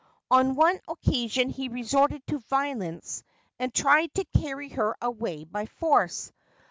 On one occasion he resorted to violence and tried to carry her away by force.